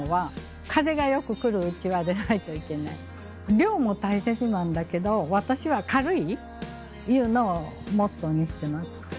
「涼」も大切なんだけど私は「軽い」いうのをモットーにしてます。